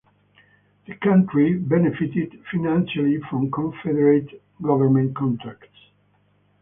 The county benefitted financially from Confederate government contracts.